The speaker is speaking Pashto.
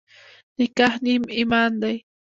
نکاح نیم ایمان دی.